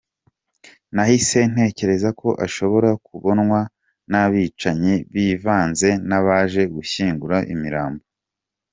Nahise ntekereza ko ashobora kubonwa n’abicanyi bivanze n’abaje gushyingura imirambo.